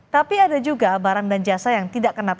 tapi ada juga barang dan jasa yang tidak kena